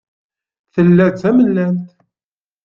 Tella d tamellalt.